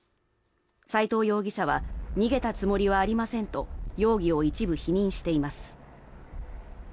斉藤容疑者は逃げたつもりはありませんと容疑を一部否認しています。